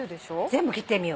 全部切ってみよう。